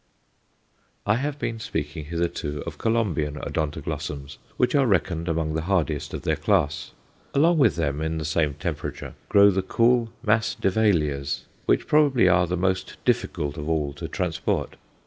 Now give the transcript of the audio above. I have been speaking hitherto of Colombian Odontoglossums, which are reckoned among the hardiest of their class. Along with them, in the same temperature, grow the cool Masdevallias, which probably are the most difficult of all to transport.